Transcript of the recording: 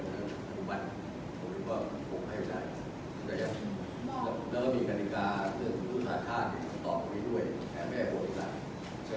แต่มีทางดิการเชื่อดูจาฆาตต่อตัวมีด้วยแค่แม่บุญพันธุ์